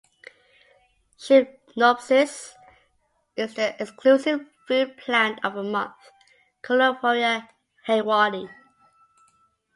"Schinopsis" is the exclusive food plant of the moth "Coleophora haywardi".